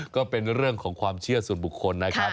ก็เป็นเรื่องของความเชื่อส่วนบุคคลนะครับ